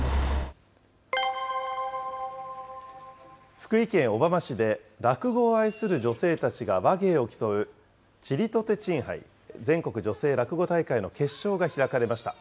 福井県小浜市で、落語を愛する女性たちが話芸を競う、ちりとてちん杯全国女性落語大会の決勝が開かれました。